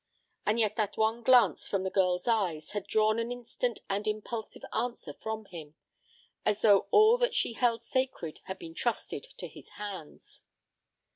And yet that one glance from the girl's eyes had drawn an instant and impulsive answer from him, as though all that she held sacred had been trusted to his hands.